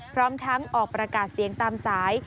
พร้อมทั้งออกประกาศเสียงตามสาย